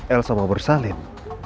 elsa mau bersalin